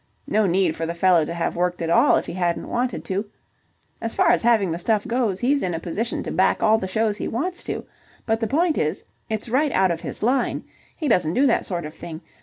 No need for the fellow to have worked at all, if he hadn't wanted to. As far as having the stuff goes, he's in a position to back all the shows he wants to. But the point is, it's right out of his line. He doesn't do that sort of thing.